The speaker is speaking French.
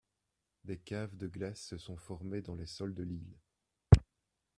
Des caves de glace se sont formés dans les sols de l'île.